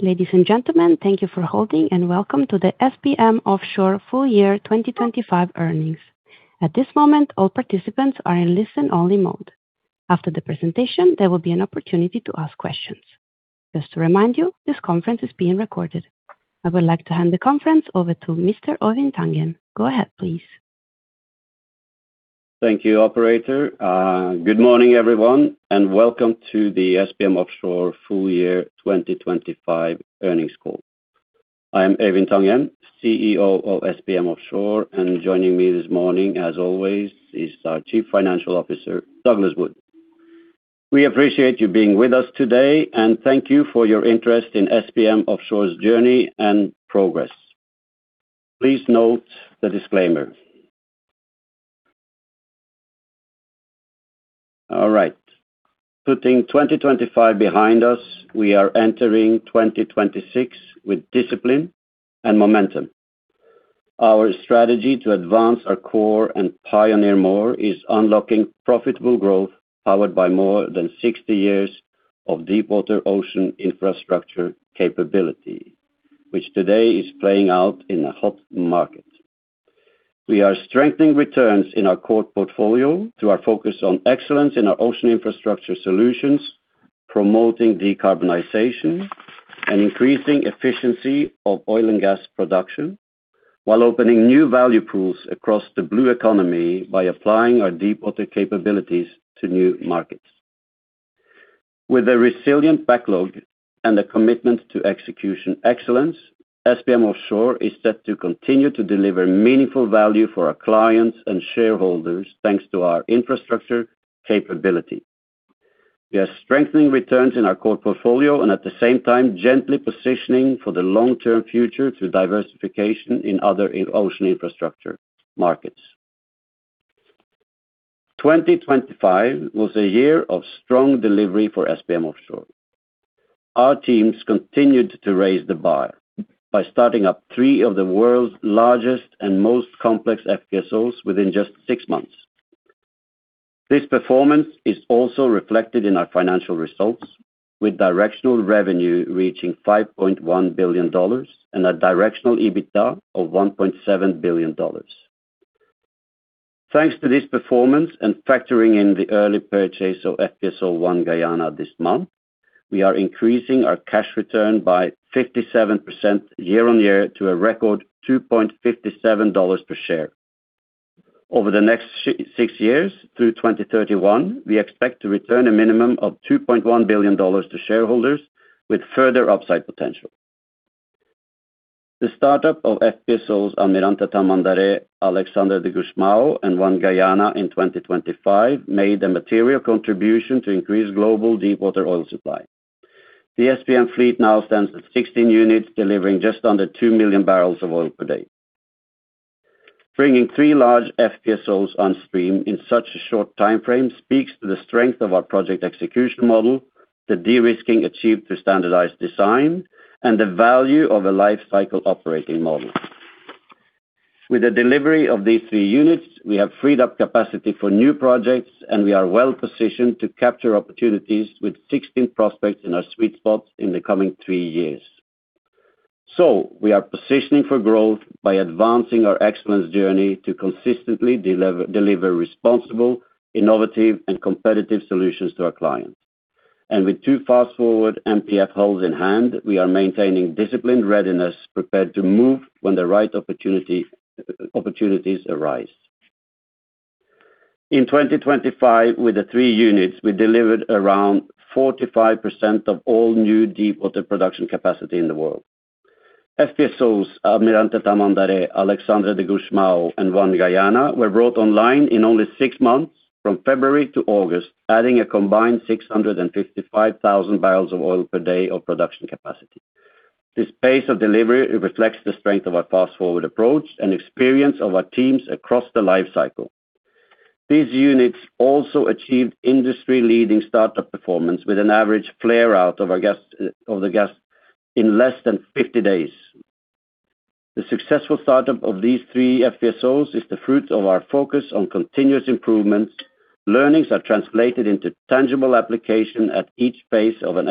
Ladies and gentlemen, thank you for holding and welcome to the SBM Offshore Full Year 2025 Earnings. At this moment, all participants are in listen-only mode. After the presentation, there will be an opportunity to ask questions. Just to remind you, this conference is being recorded. I would like to hand the conference over to Mr. Øivind Tangen. Go ahead, please. Thank you, operator. Good morning, everyone, welcome to the SBM Offshore Full Year 2025 Earnings Call. I am Øivind Tangen, CEO of SBM Offshore, and joining me this morning, as always, is our Chief Financial Officer, Douglas Wood. We appreciate you being with us today, and thank you for your interest in SBM Offshore's journey and progress. Please note the disclaimer. All right. Putting 2025 behind us, we are entering 2026 with discipline and momentum. Our strategy to advance our core and pioneer more is unlocking profitable growth, powered by more than 60 years of deepwater ocean infrastructure capability, which today is playing out in a hot market. We are strengthening returns in our core portfolio through our focus on excellence in our ocean infrastructure solutions, promoting decarbonization and increasing efficiency of oil and gas production, while opening new value pools across the blue economy by applying our deepwater capabilities to new markets. With a resilient backlog and a commitment to execution excellence, SBM Offshore is set to continue to deliver meaningful value for our clients and shareholders, thanks to our infrastructure capability. We are strengthening returns in our core portfolio and at the same time, gently positioning for the long-term future through diversification in other ocean infrastructure markets. 2025 was a year of strong delivery for SBM Offshore. Our teams continued to raise the bar by starting up three of the world's largest and most complex FPSOs within just six months. This performance is also reflected in our financial results, with directional revenue reaching $5.1 billion and a directional EBITDA of $1.7 billion. Thanks to this performance and factoring in the early purchase of FPSO ONE GUYANA this month, we are increasing our cash return by 57% year-on-year to a record $2.57 per share. Over the next six years through 2031, we expect to return a minimum of $2.1 billion to shareholders with further upside potential. The startup of FPSOs Almirante Tamandaré, Alexandre de Gusmão, and ONE GUYANA in 2025 made a material contribution to increase global deepwater oil supply. The SBM fleet now stands at 16 units, delivering just under 2 million barrels of oil per day. Bringing three large FPSOs on stream in such a short timeframe speaks to the strength of our project execution model, the de-risking achieved through standardized design, and the value of a life cycle operating model. With the delivery of these three units, we have freed up capacity for new projects, and we are well-positioned to capture opportunities with 16 prospects in our sweet spot in the coming three years. We are positioning for growth by advancing our excellence journey to consistently deliver responsible, innovative, and competitive solutions to our clients. With two Fast4Ward MPF hulls in hand, we are maintaining disciplined readiness, prepared to move when the right opportunities arise. In 2025, with the three units, we delivered around 45% of all new deepwater production capacity in the world. FPSOs Almirante Tamandaré, FPSO Alexandre de Gusmão, and ONE GUYANA were brought online in only six months, from February to August, adding a combined 655,000 barrels of oil per day of production capacity. This pace of delivery reflects the strength of our Fast4Ward approach and experience of our teams across the life cycle. These units also achieved industry-leading startup performance, with an average flare out of the gas in less than 50 days. The successful startup of these three FPSOs is the fruit of our focus on continuous improvements. Learnings are translated into tangible application at each phase of an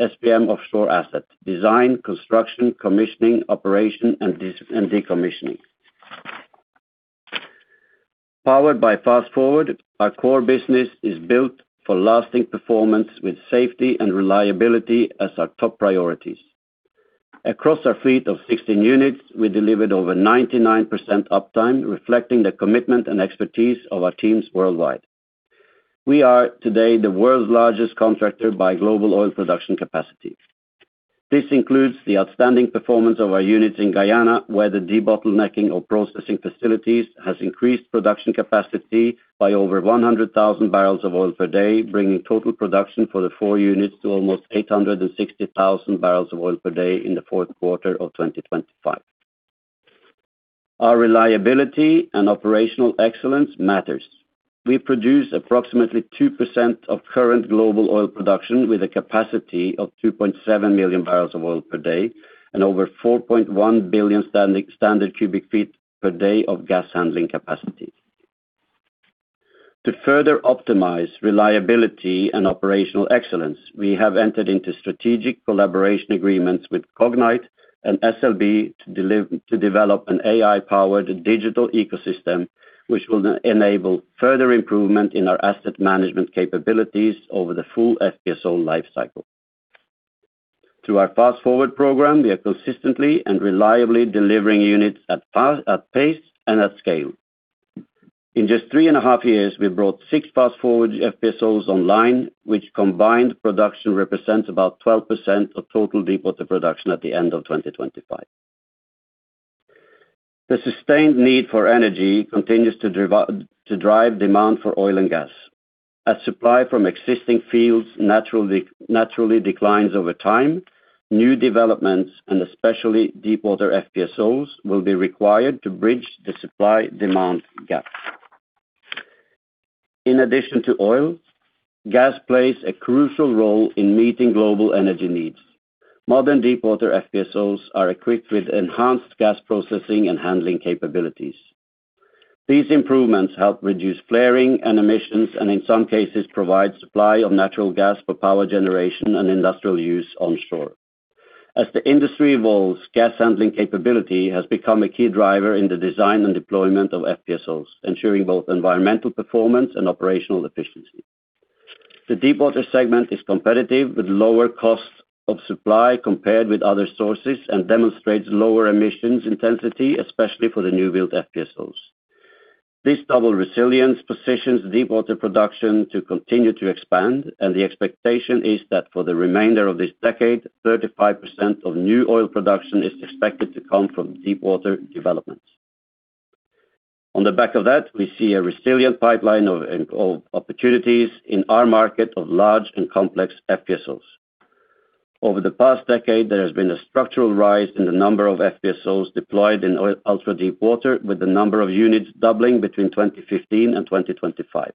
SBM Offshore asset: design, construction, commissioning, operation, and decommissioning. Powered by Fast4Ward, our core business is built for lasting performance, with safety and reliability as our top priorities. Across our fleet of 16 units, we delivered over 99% uptime, reflecting the commitment and expertise of our teams worldwide. We are today the world's largest contractor by global oil production capacity. This includes the outstanding performance of our units in Guyana, where the debottlenecking of processing facilities has increased production capacity by over 100,000 barrels of oil per day, bringing total production for the four units to almost 860,000 barrels of oil per day in the fourth quarter of 2025. Our reliability and operational excellence matters. We produce approximately 2% of current global oil production, with a capacity of 2.7 million barrels of oil per day and over 4.1 billion standard cu ft per day of gas handling capacity. To further optimize reliability and operational excellence, we have entered into strategic collaboration agreements with Cognite and SLB to develop an AI-powered digital ecosystem, which will enable further improvement in our asset management capabilities over the full FPSO lifecycle. Through our Fast4Ward program, we are consistently and reliably delivering units at pace and at scale. In just 3.5 years, we've brought six Fast4Ward FPSOs online, which combined production represents about 12% of total deepwater production at the end of 2025. The sustained need for energy continues to drive demand for oil and gas. As supply from existing fields naturally declines over time, new developments, and especially deepwater FPSOs, will be required to bridge the supply-demand gap. In addition to oil, gas plays a crucial role in meeting global energy needs. Modern deepwater FPSOs are equipped with enhanced gas processing and handling capabilities. These improvements help reduce flaring and emissions, and in some cases, provide supply of natural gas for power generation and industrial use onshore. As the industry evolves, gas handling capability has become a key driver in the design and deployment of FPSOs, ensuring both environmental performance and operational efficiency. The deepwater segment is competitive, with lower costs of supply compared with other sources, and demonstrates lower emissions intensity, especially for the new build FPSOs. This double resilience positions deepwater production to continue to expand, and the expectation is that for the remainder of this decade, 35% of new oil production is expected to come from deepwater developments. On the back of that, we see a resilient pipeline of opportunities in our market of large and complex FPSOs. Over the past decade, there has been a structural rise in the number of FPSOs deployed in oil ultra-deepwater, with the number of units doubling between 2015 and 2025.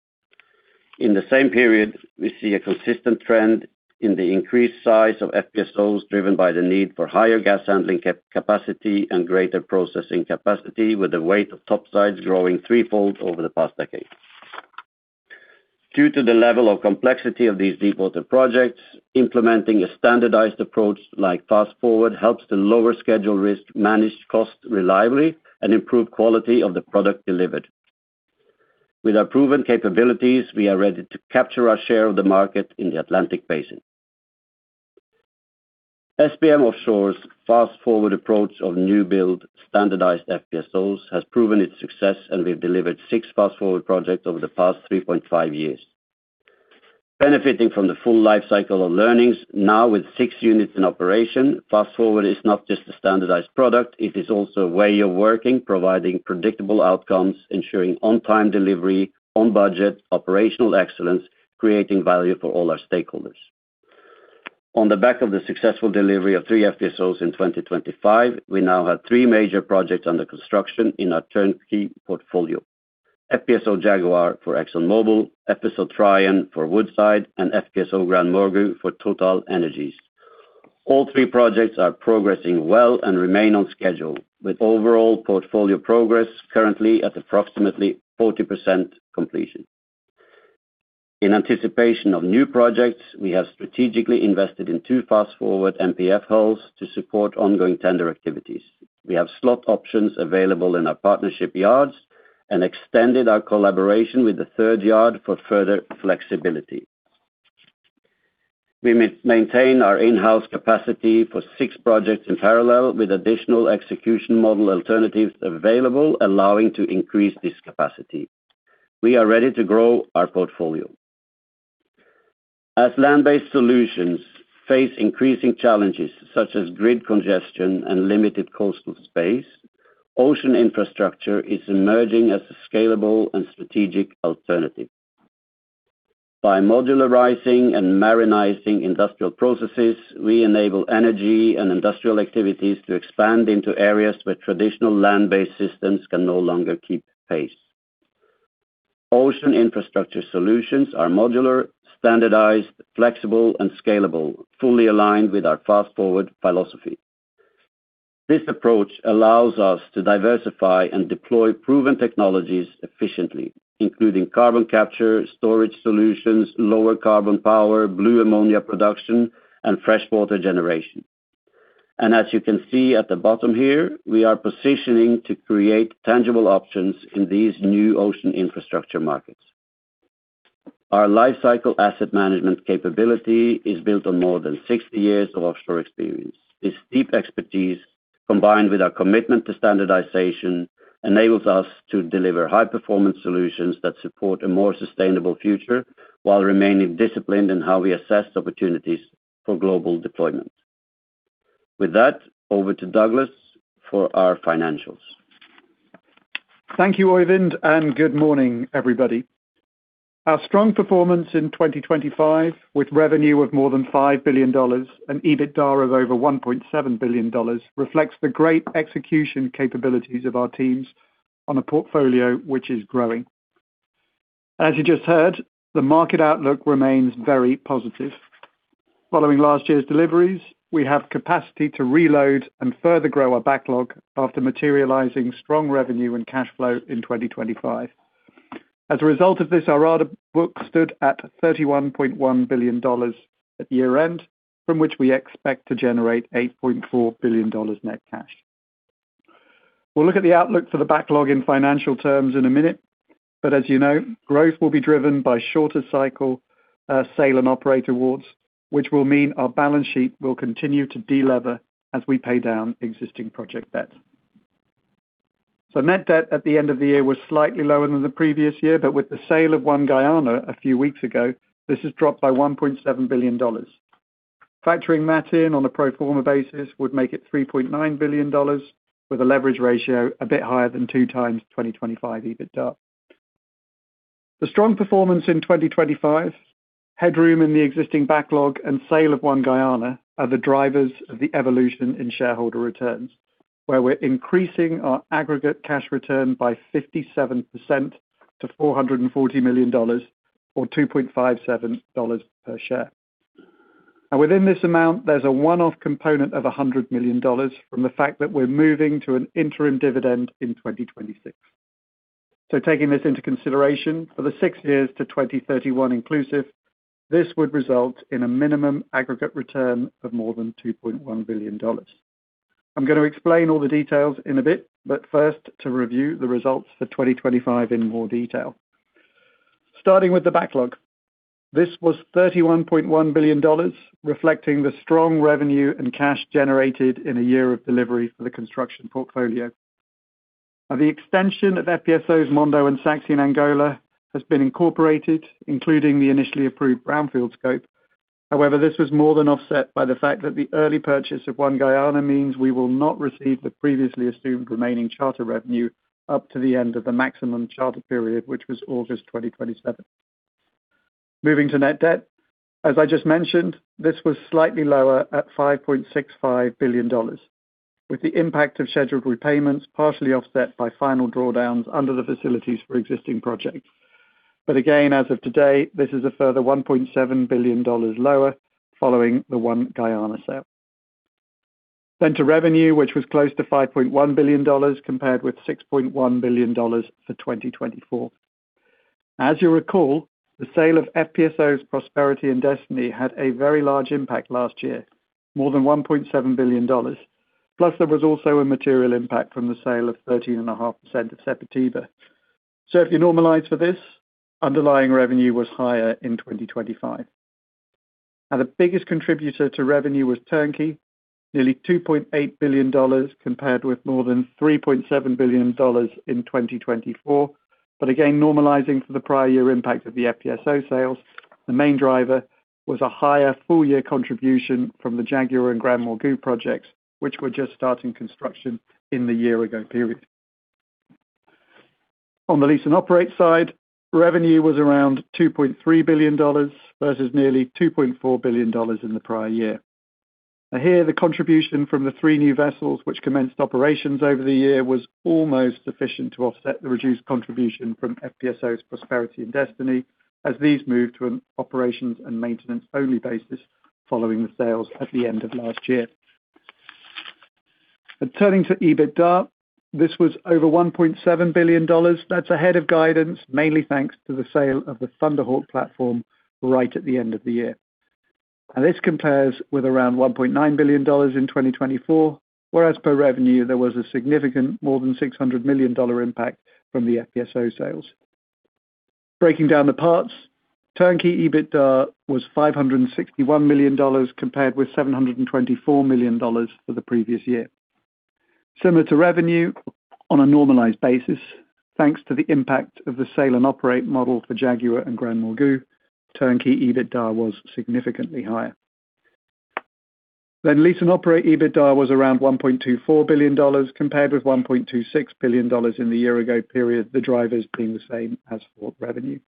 In the same period, we see a consistent trend in the increased size of FPSOs, driven by the need for higher gas handling capacity and greater processing capacity, with the weight of topsides growing 3x over the past decade. Due to the level of complexity of these deepwater projects, implementing a standardized approach like Fast4Ward helps to lower schedule risk, manage costs reliably, and improve quality of the product delivered. With our proven capabilities, we are ready to capture our share of the market in the Atlantic Basin. SBM Offshore's Fast4Ward approach of new build standardized FPSOs has proven its success, and we've delivered six Fast4Ward projects over the past 3.5 years. Benefiting from the full lifecycle of learnings, now with six units in operation, Fast4Ward is not just a standardized product, it is also a way of working, providing predictable outcomes, ensuring on-time delivery, on-budget, operational excellence, creating value for all our stakeholders. On the back of the successful delivery of three FPSOs in 2025, we now have three major projects under construction in our turnkey portfolio: FPSO Jaguar for ExxonMobil, FPSO Trion for Woodside, and FPSO GranMorgu for TotalEnergies. All three projects are progressing well and remain on schedule, with overall portfolio progress currently at approximately 40% completion. In anticipation of new projects, we have strategically invested in two Fast4Ward MPF hulls to support ongoing tender activities. We have slot options available in our partnership yards and extended our collaboration with the third yard for further flexibility. We maintain our in-house capacity for six projects in parallel, with additional execution model alternatives available, allowing to increase this capacity. We are ready to grow our portfolio. As land-based solutions face increasing challenges, such as grid congestion and limited coastal space, ocean infrastructure is emerging as a scalable and strategic alternative. By modularizing and marinizing industrial processes, we enable energy and industrial activities to expand into areas where traditional land-based systems can no longer keep pace. Ocean infrastructure solutions are modular, standardized, flexible, and scalable, fully aligned with our Fast4Ward philosophy. This approach allows us to diversify and deploy proven technologies efficiently, including carbon capture, storage solutions, lower carbon power, blue ammonia production, and freshwater generation. As you can see at the bottom here, we are positioning to create tangible options in these new ocean infrastructure markets. Our lifecycle asset management capability is built on more than 60 years of offshore experience. This deep expertise, combined with our commitment to standardization, enables us to deliver high-performance solutions that support a more sustainable future while remaining disciplined in how we assess opportunities for global deployment. With that, over to Douglas for our financials. Thank you, Øivind. Good morning, everybody. Our strong performance in 2025, with revenue of more than $5 billion and EBITDA of over $1.7 billion, reflects the great execution capabilities of our teams on a portfolio which is growing. As you just heard, the market outlook remains very positive. Following last year's deliveries, we have capacity to reload and further grow our backlog after materializing strong revenue and cash flow in 2025. A result of this, our order book stood at $31.1 billion at year-end, from which we expect to generate $8.4 billion net cash. We'll look at the outlook for the backlog in financial terms in a minute, but as you know, growth will be driven by shorter cycle, Sale and Operate awards, which will mean our balance sheet will continue to delever as we pay down existing project debt. Net debt at the end of the year was slightly lower than the previous year, but with the sale of ONE GUYANA a few weeks ago, this has dropped by $1.7 billion. Factoring that in on a pro forma basis would make it $3.9 billion, with a leverage ratio a bit higher than 2 times 2025 EBITDA. The strong performance in 2025, headroom in the existing backlog and sale of ONE GUYANA are the drivers of the evolution in shareholder returns, where we're increasing our aggregate cash return by 57% to $440 million or $2.57 per share. Within this amount, there's a one-off component of $100 million from the fact that we're moving to an interim dividend in 2026. Taking this into consideration, for the six years to 2031 inclusive, this would result in a minimum aggregate return of more than $2.1 billion. I'm going to explain all the details in a bit, but first, to review the results for 2025 in more detail. Starting with the backlog, this was $31.1 billion, reflecting the strong revenue and cash generated in a year of delivery for the construction portfolio. Now, the extension of FPSO Mondo and FPSO Saxi in Angola has been incorporated, including the initially approved brownfield scope. However, this was more than offset by the fact that the early purchase of ONE GUYANA means we will not receive the previously assumed remaining charter revenue up to the end of the maximum charter period, which was August 2027. Moving to net debt, as I just mentioned, this was slightly lower at $5.65 billion, with the impact of scheduled repayments partially offset by final drawdowns under the facilities for existing projects. Again, as of today, this is a further $1.7 billion lower following the ONE GUYANA sale. To revenue, which was close to $5.1 billion, compared with $6.1 billion for 2024. As you recall, the sale of FPSOs Prosperity and Destiny had a very large impact last year, more than $1.7 billion. There was also a material impact from the sale of 13.5% of Sepetiba. If you normalize for this, underlying revenue was higher in 2025. The biggest contributor to revenue was turnkey, nearly $2.8 billion, compared with more than $3.7 billion in 2024. Normalizing for the prior year impact of the FPSO sales, the main driver was a higher full-year contribution from the Jaguar and GranMorgu projects, which were just starting construction in the year ago period. On the lease and operate side, revenue was around $2.3 billion versus nearly $2.4 billion in the prior year. Here, the contribution from the 3 new vessels, which commenced operations over the year, was almost sufficient to offset the reduced contribution from FPSOs Prosperity and Destiny as these moved to an operations and maintenance-only basis following the sales at the end of last year. Turning to EBITDA, this was over $1.7 billion. That's ahead of guidance, mainly thanks to the sale of the Thunder Hawk platform right at the end of the year. This compares with around $1.9 billion in 2024, whereas per revenue, there was a significant more than $600 million impact from the FPSO sales. Breaking down the parts, turnkey EBITDA was $561 million, compared with $724 million for the previous year. Similar to revenue on a normalized basis, thanks to the impact of the Sale and Operate model for Jaguar and GranMorgu, turnkey EBITDA was significantly higher. Lease and operate EBITDA was around $1.24 billion, compared with $1.26 billion in the year ago period, the drivers being the same as for revenue.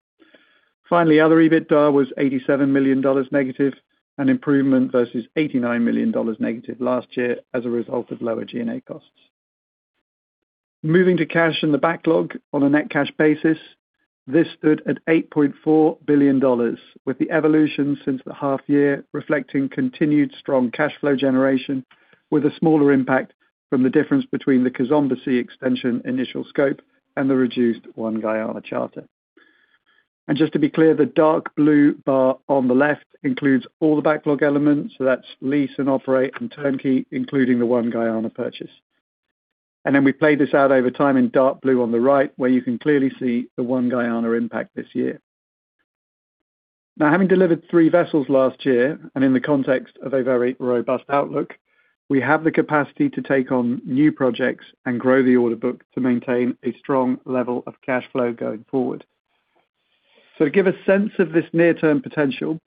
Other EBITDA was -$87 million, an improvement versus -$89 million last year as a result of lower G&A costs. Moving to cash in the backlog on a net cash basis, this stood at $8.4 billion, with the evolution since the half year reflecting continued strong cash flow generation, with a smaller impact from the difference between the Kazumba Sea extension initial scope and the reduced ONE GUYANA charter. Just to be clear, the dark blue bar on the left includes all the backlog elements, so that's lease and operate and turnkey, including the ONE GUYANA purchase. We played this out over time in dark blue on the right, where you can clearly see the ONE GUYANA impact this year. Having delivered three vessels last year and in the context of a very robust outlook, we have the capacity to take on new projects and grow the order book to maintain a strong level of cash flow going forward. To give a sense of this near-term potential,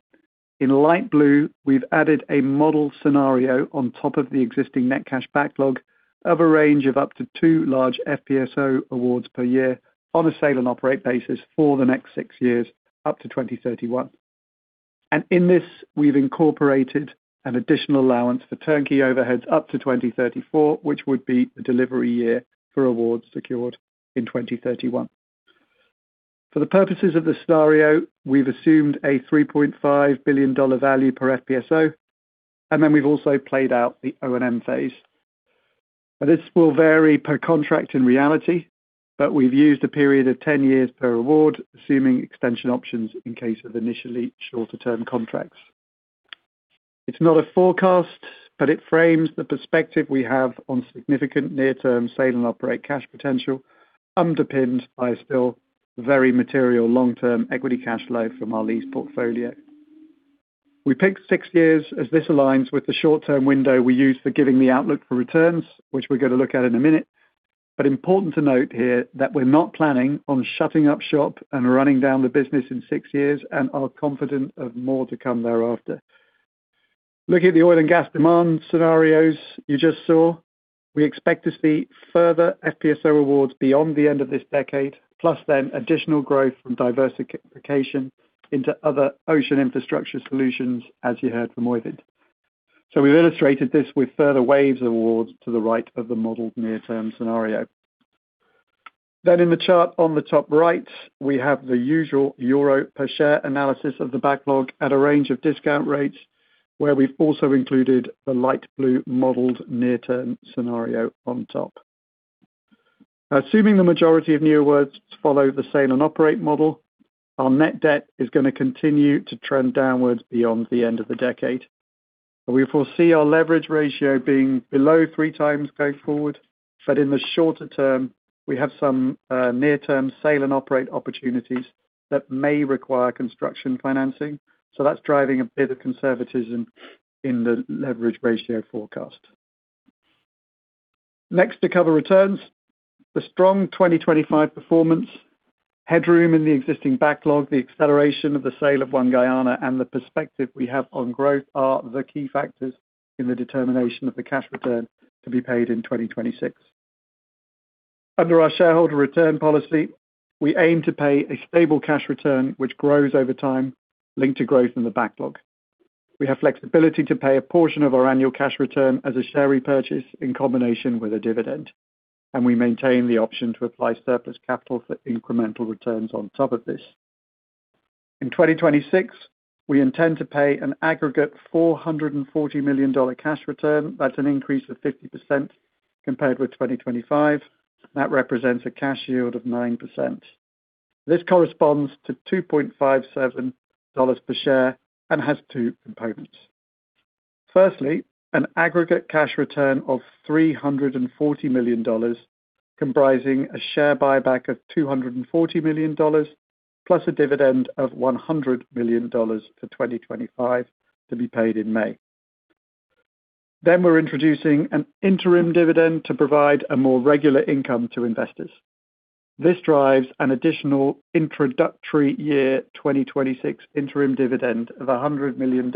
in light blue, we've added a model scenario on top of the existing net cash backlog of a range of up to two large FPSO awards per year on a Sale and Operate basis for the next six years, up to 2031. In this, we've incorporated an additional allowance for turnkey overheads up to 2034, which would be the delivery year for awards secured in 2031. For the purposes of this scenario, we've assumed a $3.5 billion value per FPSO, and then we've also played out the O&M phase. This will vary per contract in reality, but we've used a period of 10 years per award, assuming extension options in case of initially shorter term contracts. It's not a forecast, but it frames the perspective we have on significant near-term Sale and Operate cash potential, underpinned by still very material long-term equity cash flow from our lease portfolio. We picked six years as this aligns with the short-term window we use for giving the outlook for returns, which we're going to look at in a minute. Important to note here that we're not planning on shutting up shop and running down the business in six years, and are confident of more to come thereafter. Looking at the oil and gas demand scenarios you just saw, we expect to see further FPSO awards beyond the end of this decade, plus then additional growth from diversification into other ocean infrastructure solutions, as you heard from Øivind. We've illustrated this with further waves awards to the right of the modeled near-term scenario. In the chart on the top right, we have the usual EUR per share analysis of the backlog at a range of discount rates, where we've also included the light blue modeled near-term scenario on top. Assuming the majority of new awards follow the Sale and Operate model, our net debt is going to continue to trend downwards beyond the end of the decade. We foresee our leverage ratio being below 3 times going forward, but in the shorter term, we have some near-term Sale and Operate opportunities that may require construction financing. That's driving a bit of conservatism in the leverage ratio forecast. To cover returns. The strong 2025 performance, headroom in the existing backlog, the acceleration of the sale of ONE GUYANA, and the perspective we have on growth are the key factors in the determination of the cash return to be paid in 2026. Under our shareholder return policy, we aim to pay a stable cash return, which grows over time, linked to growth in the backlog. We have flexibility to pay a portion of our annual cash return as a share repurchase in combination with a dividend, and we maintain the option to apply surplus capital for incremental returns on top of this. In 2026, we intend to pay an aggregate $440 million cash return. That's an increase of 50% compared with 2025. That represents a cash yield of 9%. This corresponds to $2.57 per share and has two components. Firstly, an aggregate cash return of $340 million, comprising a share buyback of $240 million, plus a dividend of $100 million for 2025 to be paid in May. We're introducing an interim dividend to provide a more regular income to investors. This drives an additional introductory year, 2026 interim dividend of $100 million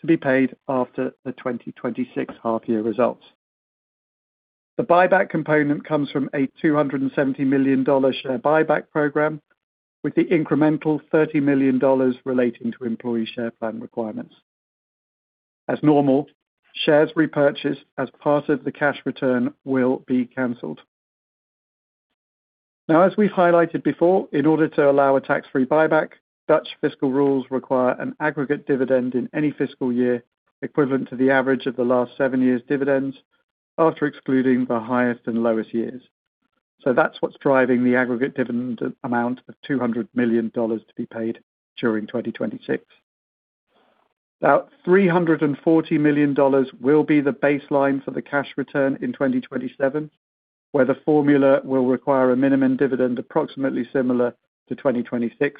to be paid after the 2026 half year results. The buyback component comes from a $270 million share buyback program, with the incremental $30 million relating to employee share plan requirements. As normal, shares repurchased as part of the cash return will be canceled. As we've highlighted before, in order to allow a tax-free buyback, Dutch fiscal rules require an aggregate dividend in any fiscal year equivalent to the average of the last seven years dividends, after excluding the highest and lowest years. That's what's driving the aggregate dividend amount of $200 million to be paid during 2026. $340 million will be the baseline for the cash return in 2027, where the formula will require a minimum dividend, approximately similar to 2026,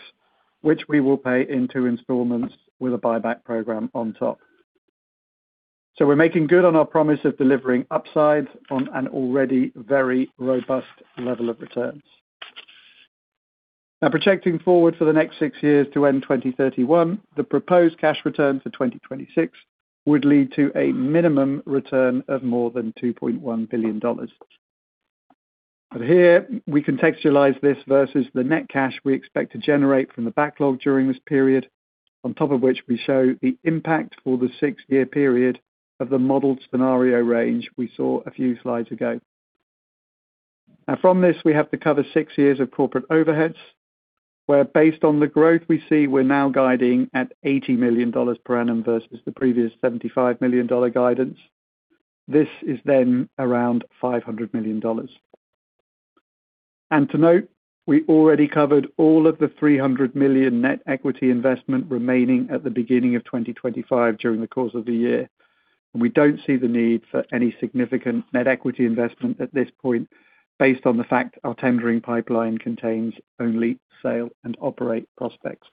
which we will pay in two installments with a buyback program on top. We're making good on our promise of delivering upside on an already very robust level of returns. Projecting forward for the next six years to end 2031, the proposed cash return for 2026 would lead to a minimum return of more than $2.1 billion. Here we contextualize this versus the net cash we expect to generate from the backlog during this period, on top of which we show the impact for the six-year period of the modeled scenario range we saw a few slides ago. From this, we have to cover six years of corporate overheads, where, based on the growth we see, we're now guiding at $80 million per annum versus the previous $75 million guidance. This is then around $500 million. To note, we already covered all of the $300 million net equity investment remaining at the beginning of 2025 during the course of the year, and we don't see the need for any significant net equity investment at this point based on the fact our tendering pipeline contains only Sale and Operate prospects.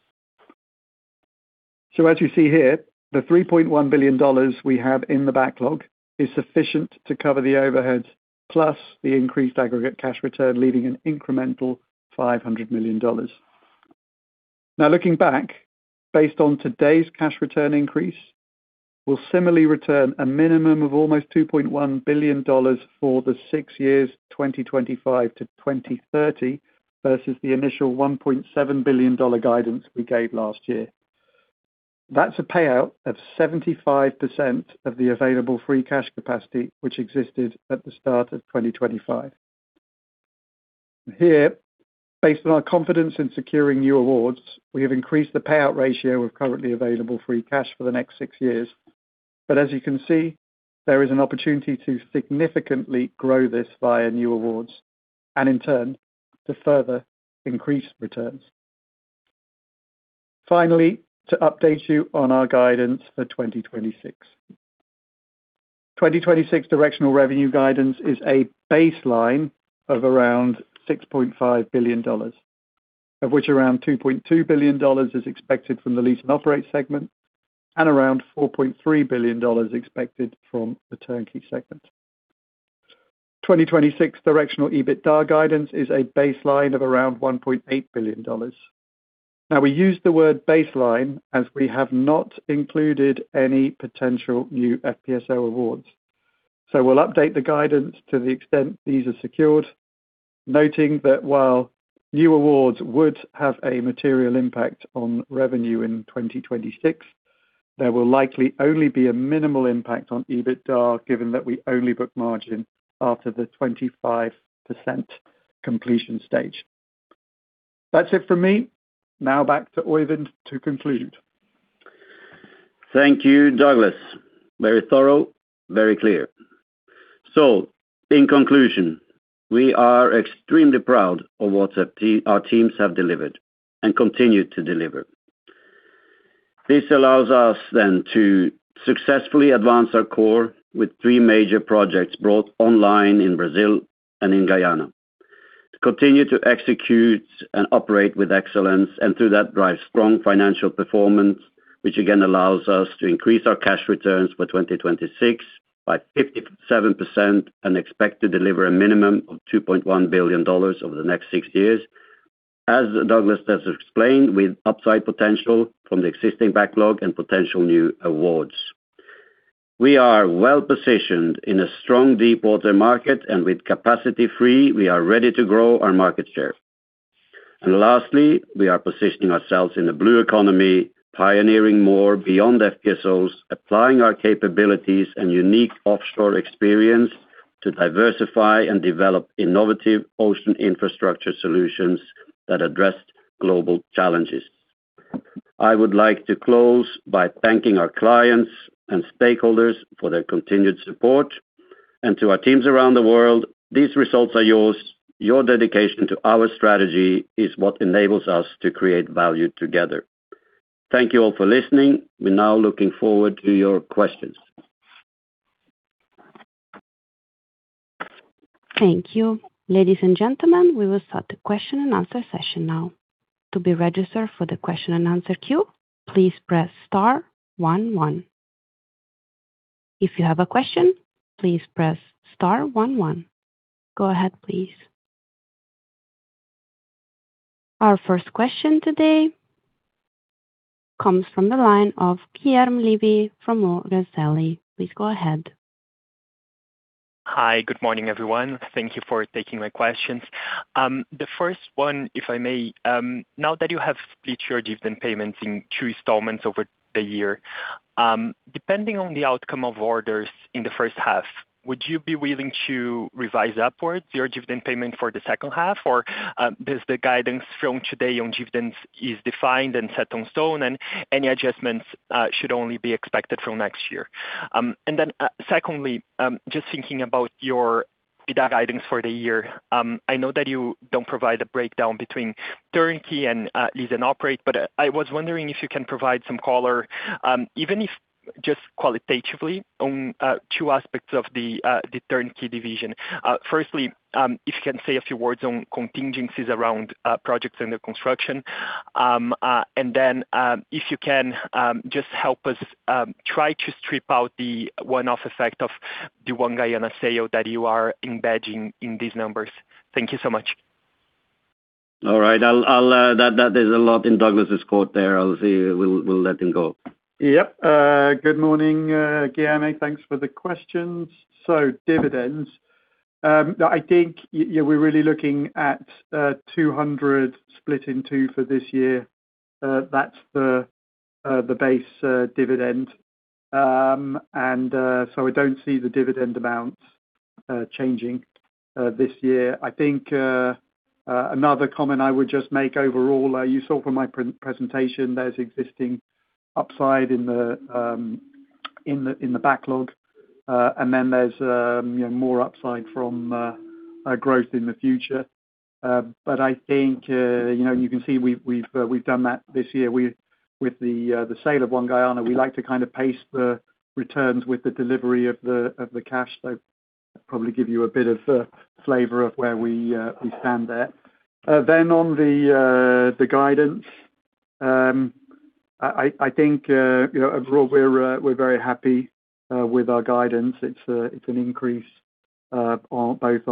As you see here, the $3.1 billion we have in the backlog is sufficient to cover the overhead, plus the increased aggregate cash return, leaving an incremental $500 million. Looking back, based on today's cash return increase, we'll similarly return a minimum of almost $2.1 billion for the six years, 2025-2030, versus the initial $1.7 billion guidance we gave last year. That's a payout of 75% of the available free cash capacity, which existed at the start of 2025. Here, based on our confidence in securing new awards, we have increased the payout ratio of currently available free cash for the next six years. As you can see, there is an opportunity to significantly grow this via new awards and in turn, to further increase returns. Finally, to update you on our guidance for 2026. 2026 Directional revenue guidance is a baseline of around $6.5 billion, of which around $2.2 billion is expected from the lease and operate segment, and around $4.3 billion expected from the turnkey segment. 2026 Directional EBITDA guidance is a baseline of around $1.8 billion. We use the word baseline as we have not included any potential new FPSO awards. We'll update the guidance to the extent these are secured, noting that while new awards would have a material impact on revenue in 2026, there will likely only be a minimal impact on EBITDA, given that we only book margin after the 25% completion stage. That's it for me. Back to Øivind to conclude. Thank you, Douglas. Very thorough, very clear. In conclusion, we are extremely proud of what our teams have delivered and continue to deliver. This allows us then to successfully advance our core with three major projects brought online in Brazil and in Guyana. To continue to execute and operate with excellence, and through that, drive strong financial performance, which again, allows us to increase our cash returns for 2026 by 57%, and expect to deliver a minimum of $2.1 billion over the next six years. As Douglas has explained, with upside potential from the existing backlog and potential new awards. We are well positioned in a strong deep water market, and with capacity free, we are ready to grow our market share. Lastly, we are positioning ourselves in the blue economy, pioneering more beyond FPSOs, applying our capabilities and unique offshore experience to diversify and develop innovative ocean infrastructure solutions that address global challenges. I would like to close by thanking our clients and stakeholders for their continued support, and to our teams around the world, these results are yours. Your dedication to our strategy is what enables us to create value together. Thank you all for listening. We're now looking forward to your questions. Thank you. Ladies and gentlemen, we will start the question-and-answer session now. To be registered for the question-and-answer queue, please press star one. If you have a question, please press star one. Go ahead, please. Our first question today comes from the line of Guilherme Levy from Morgan Stanley. Please go ahead. Hi, good morning, everyone. Thank you for taking my questions. The first one, if I may, now that you have split your dividend payments in two installments over the year, depending on the outcome of orders in the first half, would you be willing to revise upwards your dividend payment for the second half? Does the guidance from today on dividends is defined and set in stone and any adjustments should only be expected from next year? Secondly, just thinking about your EBITDA guidance for the year, I know that you don't provide a breakdown between turnkey and lease and operate, but I was wondering if you can provide some color, even if just qualitatively on two aspects of the turnkey division. Firstly, if you can say a few words on contingencies around projects under construction? Then, if you can just help us try to strip out the one-off effect of the ONE GUYANA sale that you are embedding in these numbers? Thank you so much. All right. I'll, that there's a lot in Douglas's quote there. I'll see. We'll let him go. Yep. Good morning, Guilherme. Thanks for the questions. Dividends. I think yeah, we're really looking at $200 split in two for this year. That's the base dividend. I don't see the dividend amounts changing this year. I think another comment I would just make overall, you saw from my presentation, there's existing upside in the backlog. There's, you know, more upside from growth in the future. I think, you know, you can see we've done that this year with the sale of ONE GUYANA. We like to kind of pace the returns with the delivery of the cash. Probably give you a bit of a flavor of where we stand there. Then on the guidance, I think, you know, overall, we're very happy with our guidance. It's an increase on both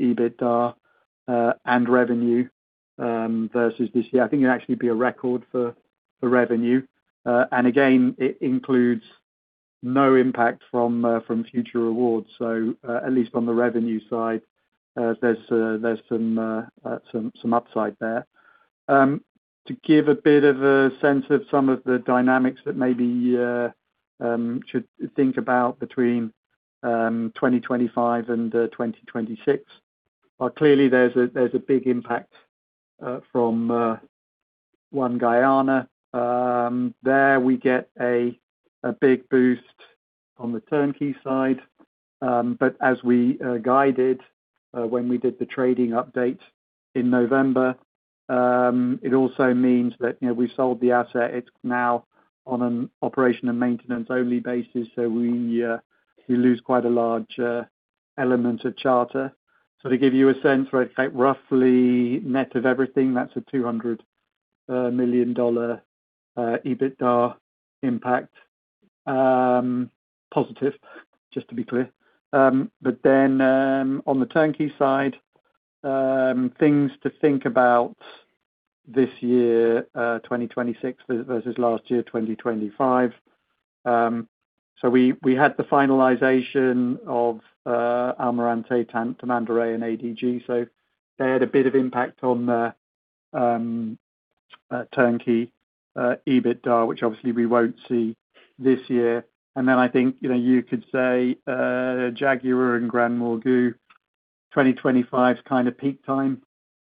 EBITDA and revenue versus this year. I think it'd actually be a record for revenue. Again, it includes no impact from future awards. At least on the revenue side, there's some upside there. To give a bit of a sense of some of the dynamics that maybe should think about between 2025 and 2026. Clearly there's a big impact from ONE GUYANA. There we get a big boost on the turnkey side. As we guided when we did the trading update in November, it also means that, you know, we sold the asset, it's now on an O & M-only basis, so we lose quite a large element of charter. To give you a sense, right, roughly net of everything, that's a $200 million EBITDA impact. Positive, just to be clear. On the turnkey side, things to think about this year, 2026 versus last year, 2025. We had the finalization of Almirante Tamandaré and ADG. They had a bit of impact on the turnkey EBITDA, which obviously we won't see this year. I think, you know, you could say, Jaguar and GranMorgu, 2025 is kind of peak time.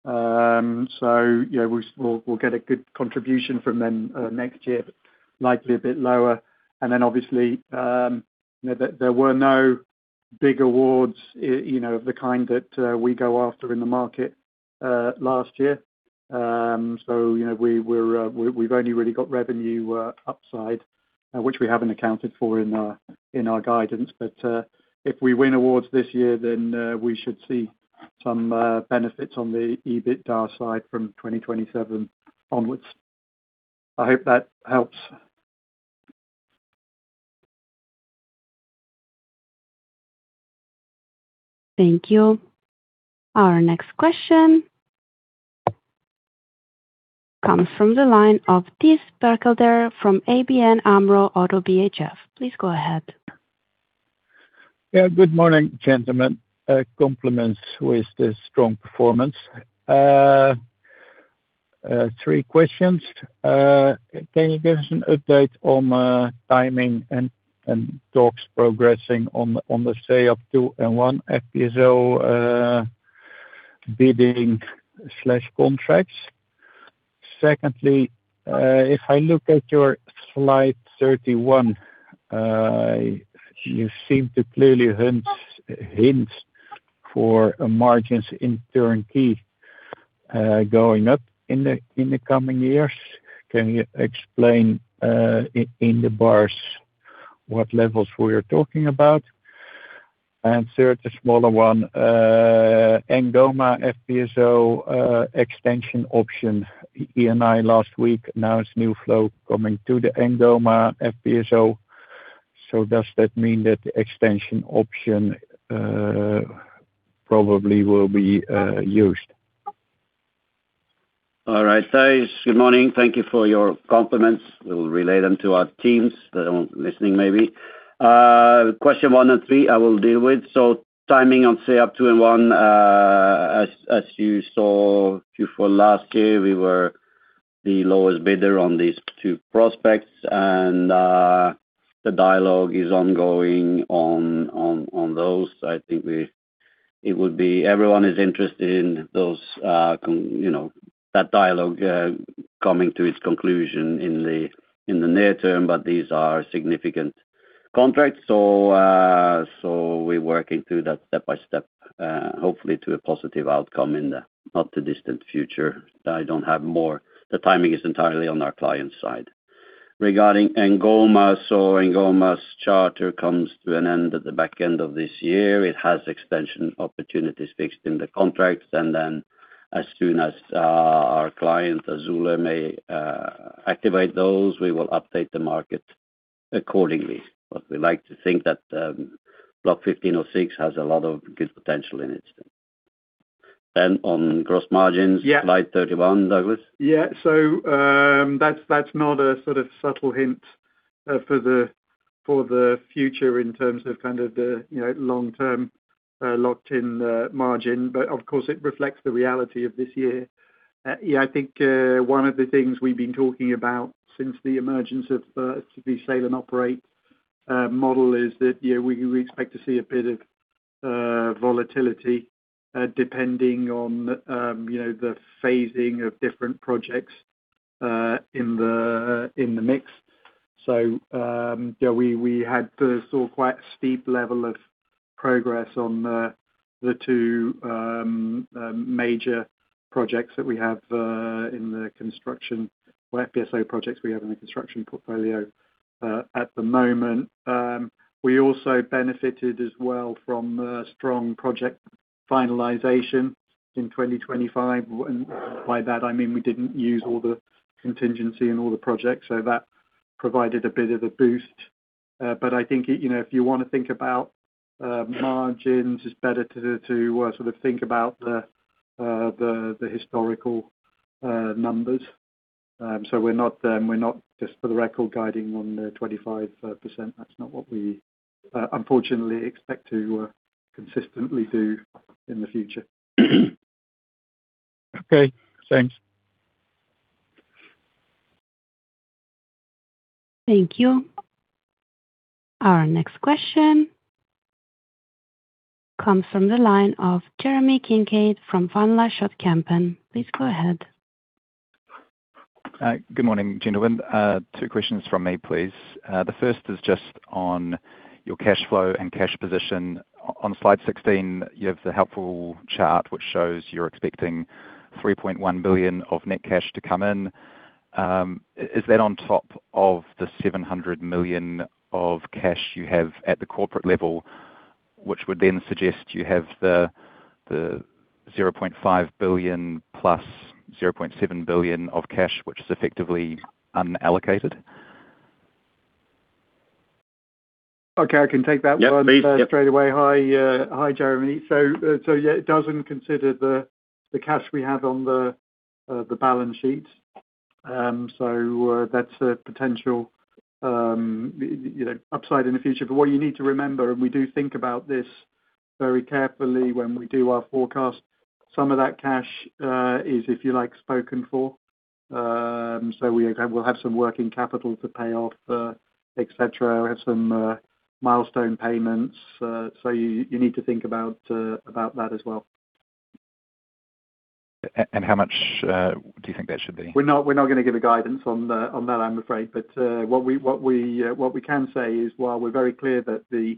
You know, we'll, we'll get a good contribution from them next year, likely a bit lower. Obviously, you know, there were no big awards, you know, of the kind that we go after in the market last year. You know, we we're, we've only really got revenue upside, which we haven't accounted for in our, in our guidance. If we win awards this year, we should see some benefits on the EBITDA side from 2027 onwards. I hope that helps. Thank you. Our next question comes from the line of Thijs Berkelder from ABN AMRO-ODDO BHF. Please go ahead. Good morning, gentlemen. Compliments with the strong performance. Three questions. Can you give us an update on timing and talks progressing on the Sépia-2 and Atapu-2 FPSO bidding/contracts? If I look at your slide 31, you seem to clearly hint for margins in turnkey going up in the coming years. Can you explain in the bars what levels we are talking about? A smaller one, N'Goma FPSO extension option, Eni last week, now it's new flow coming to the N'Goma FPSO. Does that mean that the extension option probably will be used? All right, Thijs, good morning. Thank you for your compliments. We'll relay them to our teams that are listening, maybe. Question 1 and 3, I will deal with. Timing on Sépia-2 and Atapu-2, as you saw Q4 last year, we were the lowest bidder on these two prospects, and the dialogue is ongoing on those. I think it would be everyone is interested in those, you know, that dialogue coming to its conclusion in the near term, but these are significant contracts. We're working through that step by step, hopefully, to a positive outcome in the not-too-distant future. I don't have more. The timing is entirely on our client side. Regarding N'Goma's charter comes to an end at the back end of this year. It has extension opportunities fixed in the contracts. As soon as our client, Azule, may activate those, we will update the market accordingly. We like to think that Block 15/06 has a lot of good potential in it. On gross margins. Yeah. Slide 31, Douglas? Yeah. That's not a sort of subtle hint for the future in terms of kind of the, you know, long-term, locked-in margin. Of course, it reflects the reality of this year. Yeah, I think one of the things we've been talking about since the emergence of the Sale and Operate model is that, you know, we expect to see a bit of volatility depending on, you know, the phasing of different projects in the mix. Yeah, we had first saw quite a steep level of progress on the two major projects that we have in the construction or FPSO projects we have in the construction portfolio at the moment. We also benefited as well from strong project finalization in 2025. By that, I mean, we didn't use all the contingency in all the projects, so that provided a bit of a boost. I think, you know, if you want to think about margins, it's better to sort of think about the historical numbers. We're not just for the record guiding on the 25%. That's not what we unfortunately expect to consistently do in the future. Okay, thanks. Thank you. Our next question comes from the line of Jeremy Kincaid from Van Lanschot Kempen. Please go ahead. Good morning, gentlemen. Two questions from me, please. The first is just on your cash flow and cash position. On slide 16, you have the helpful chart which shows you're expecting $3.1 billion of net cash to come in. Is that on top of the $700 million of cash you have at the corporate level, which would then suggest you have the $0.5 billion + $0.7 billion of cash, which is effectively unallocated? Okay, I can take that one. Yeah, please. straight away. Hi, Jeremy. Yeah, it doesn't consider the cash we have on the balance sheet. That's a potential, you know, upside in the future. What you need to remember, and we do think about this very carefully when we do our forecast, some of that cash is, if you like, spoken for. We'll have some working capital to pay off, etc. We have some milestone payments, so you need to think about that as well. How much do you think that should be? We're not gonna give a guidance on the, on that, I'm afraid. What we can say is, while we're very clear that the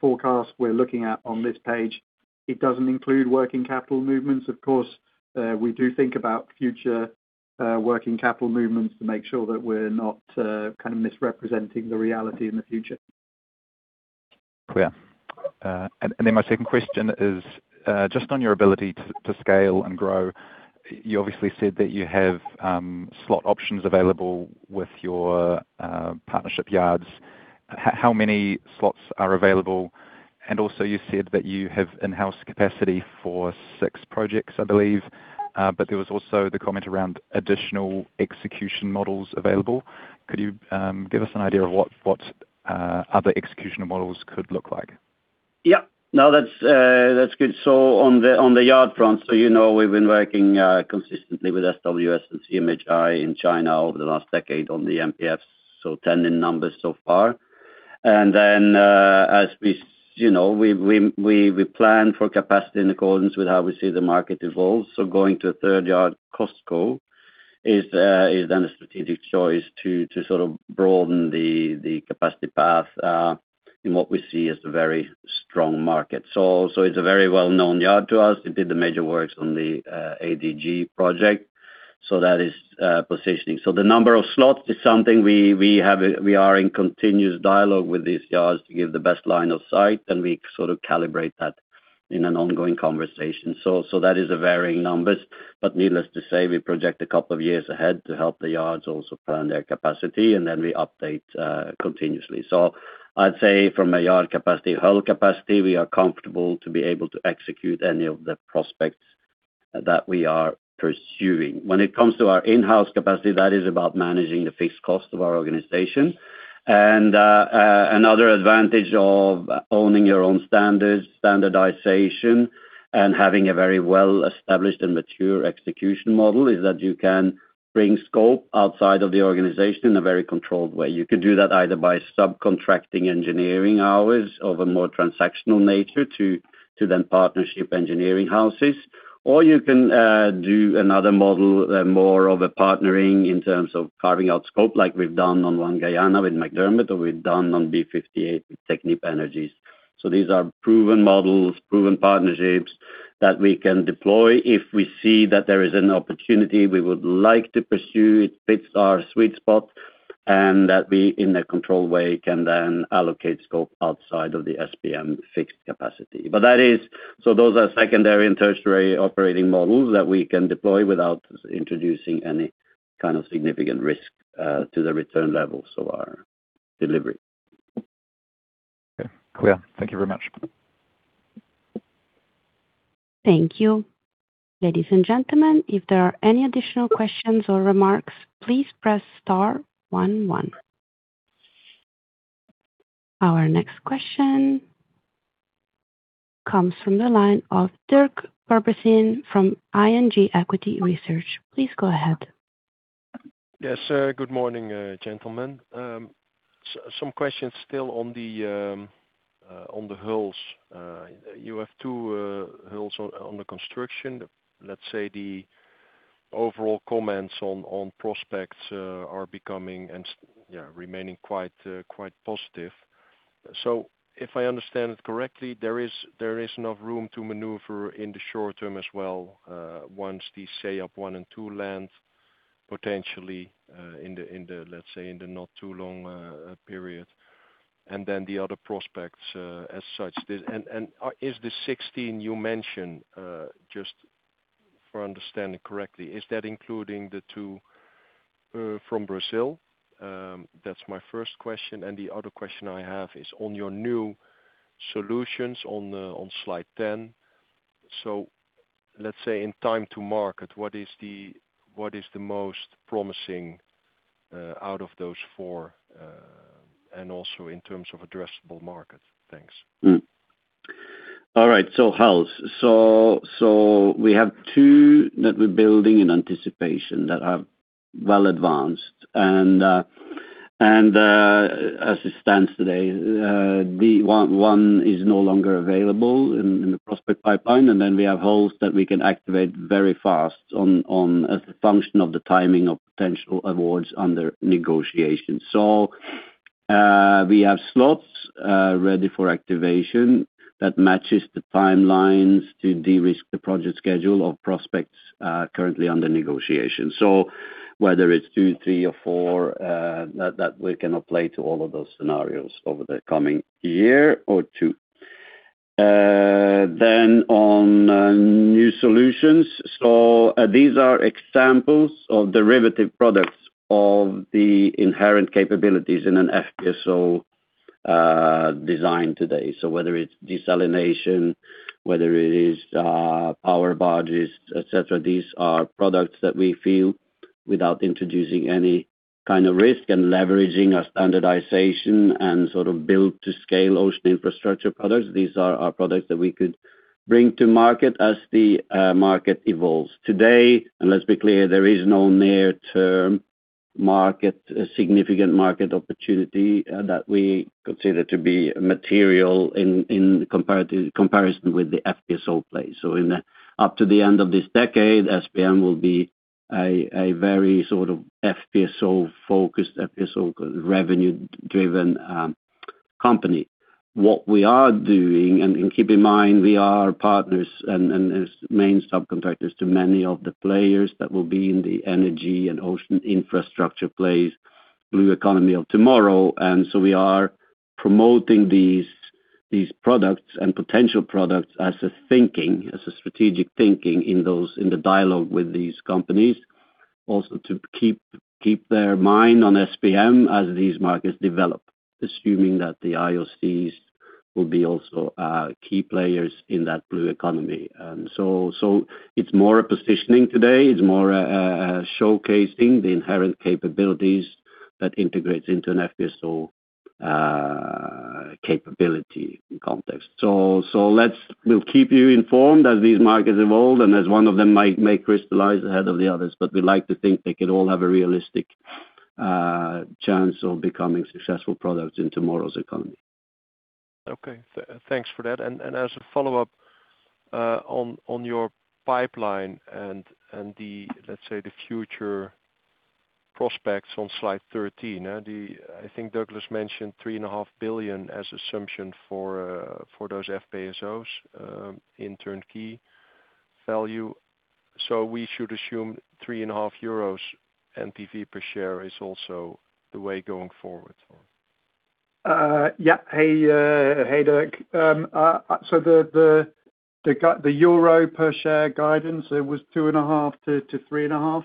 forecast we're looking at on this page, it doesn't include working capital movements. Of course, we do think about future working capital movements to make sure that we're not kind of misrepresenting the reality in the future. Yeah. Then my second question is just on your ability to scale and grow. You obviously said that you have slot options available with your partnership yards. How many slots are available? Also, you said that you have in-house capacity for six projects, I believe, but there was also the comment around additional execution models available. Could you give us an idea of what other execution models could look like? Yeah. No, that's good. On the yard front, you know, we've been working consistently with SWS and CMHI in China over the last decade on the MPFs, 10 in numbers so far. As we you know, we plan for capacity in accordance with how we see the market evolve. Going to a third yard, COSCO, is then a strategic choice to sort of broaden the capacity path in what we see as a very strong market. It's a very well-known yard to us. It did the major works on the ADG project, that is positioning. The number of slots is something we have, we are in continuous dialogue with these yards to give the best line of sight, and we sort of calibrate that in an ongoing conversation. That is a varying numbers, but needless to say, we project a couple of years ahead to help the yards also plan their capacity, and then we update continuously. I'd say from a yard capacity, hull capacity, we are comfortable to be able to execute any of the prospects that we are pursuing. When it comes to our in-house capacity, that is about managing the fixed cost of our organization. Another advantage of owning your own standards, standardization, and having a very well-established and mature execution model, is that you can bring scope outside of the organization in a very controlled way. You could do that either by subcontracting engineering hours of a more transactional nature to then partnership engineering houses, or you can do another model, more of a partnering in terms of carving out scope, like we've done on ONE GUYANA with McDermott, or we've done on Block 58 with Technip Energies. These are proven models, proven partnerships, that we can deploy if we see that there is an opportunity we would like to pursue, it fits our sweet spot, and that we, in a controlled way, can then allocate scope outside of the SBM fixed capacity. Those are secondary and tertiary operating models that we can deploy without introducing any kind of significant risk to the return levels of our delivery. Okay, clear. Thank you very much. Thank you. Ladies and gentlemen, if there are any additional questions or remarks, please press star one one. Our next question comes from the line of Dirk Verbiesen from ING Equity Research. Please go ahead. Yes, good morning, gentlemen. Some questions still on the hulls. You have 2 hulls on the construction. Let's say the overall comments on prospects are becoming and yeah, remaining quite positive. If I understand it correctly, there is enough room to maneuver in the short term as well, once the Sépia-2 and Atapu-2 land, potentially, in the, in the, let's say, in the not too long period, and then the other prospects as such. Is the 16 you mentioned, just for understanding correctly, is that including the two from Brazil? That's my first question. The other question I have is on your new solutions on slide 10. Let's say in time to market, what is the, what is the most promising out of those four? Also in terms of addressable market. Thanks. All right, so health. We have two that we're building in anticipation that are well advanced. As it stands today, the one is no longer available in the prospect pipeline, and then we have holes that we can activate very fast on as a function of the timing of potential awards under negotiation. We have slots ready for activation that matches the timelines to de-risk the project schedule of prospects currently under negotiation. Whether it's two, three, or four, that we can apply to all of those scenarios over the coming year or two. Then on new solutions. These are examples of derivative products of the inherent capabilities in an FPSO design today. Whether it's desalination, whether it is, power barges, etc, these are products that we feel without introducing any kind of risk and leveraging our standardization and sort of build to scale ocean infrastructure products. These are our products that we could bring to market as the market evolves. Today, and let's be clear, there is no near term market, significant market opportunity, that we consider to be material in comparative, comparison with the FPSO play. Up to the end of this decade, SBM will be a very sort of FPSO focused, FPSO revenue driven, company. What we are doing, and keep in mind, we are partners and as main subcontractors to many of the players that will be in the energy and ocean infrastructure plays, blue economy of tomorrow. We are promoting these products and potential products as a strategic thinking in those, in the dialogue with these companies. Also to keep their mind on SBM as these markets develop, assuming that the IOCs will be also key players in that blue economy. it's more a positioning today, it's more showcasing the inherent capabilities that integrates into an FPSO capability context. We'll keep you informed as these markets evolve and as one of them might, may crystallize ahead of the others, but we like to think they could all have a realistic chance of becoming successful products in tomorrow's economy. Okay, thanks for that. As a follow-up, on your pipeline and the, let's say, the future prospects on slide 13, the... I think Douglas mentioned $3.5 billion as assumption for those FPSOs in turnkey value. We should assume 3.5 euros NPV per share is also the way going forward? Yeah. Hey, Dirk. The EUR per share guidance, it was 2.5 per share-EUR 3.5 per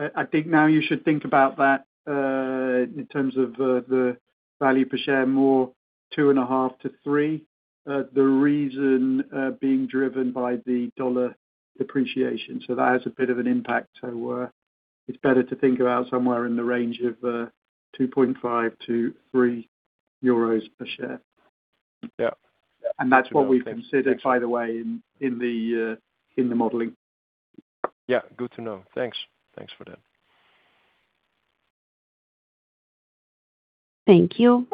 share. I think now you should think about that in terms of the value per share, more 2.5 per share-EUR 3 per share. The reason being driven by the dollar depreciation, that has a bit of an impact. It's better to think about somewhere in the range of 2.5 per share-EUR 3 per share. Yeah. That's what we consider, by the way, in the modeling. Yeah. Good to know. Thanks. Thanks for that. Thank you.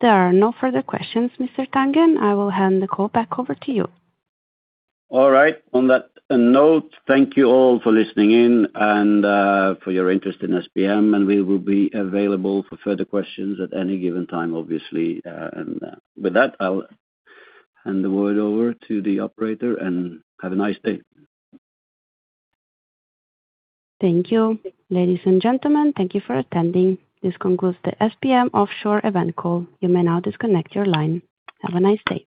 There are no further questions, Mr. Tangen. I will hand the call back over to you. All right. On that note, thank you all for listening in and for your interest in SBM, and we will be available for further questions at any given time, obviously. With that, I'll hand the word over to the operator, and have a nice day. Thank you. Ladies and gentlemen, thank you for attending. This concludes the SBM Offshore event call. You may now disconnect your line. Have a nice day.